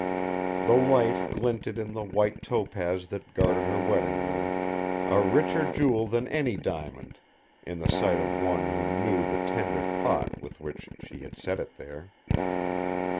The light glinted in the white topaz that guarded her wedding ring, a richer jewel than any diamond in the sight of one who knew the tender thought with which she had set it there.